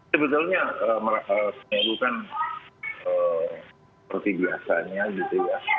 sebetulnya merasa seperti biasanya gitu ya